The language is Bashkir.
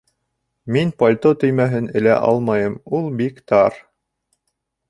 Мин пальто төймәһен элә алмайым, ул бик тар